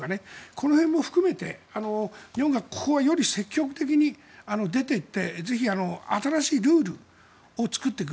この辺も含めて日本がここはより積極的に出ていってぜひ、新しいルールを作っていく。